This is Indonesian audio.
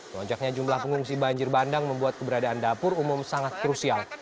lonjaknya jumlah pengungsi banjir bandang membuat keberadaan dapur umum sangat krusial